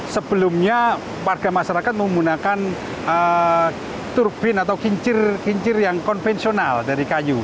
sebelumnya warga masyarakat menggunakan turbin atau kincir kincir yang konvensional dari kayu